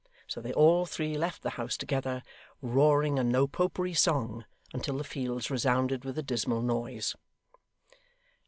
So they all three left the house together: roaring a No Popery song until the fields resounded with the dismal noise.